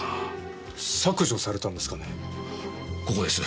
削除されたんですかね？